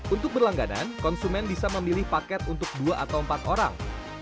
untuk berlangganan konsumen bisa memilih paket untuk dua atau empat orang